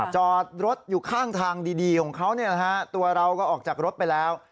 จอดรถอยู่ข้างทางดีของเขาตัวเราก็ออกจากรถไปแล้ว